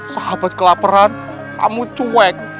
sahabat kelaperan kamu cuek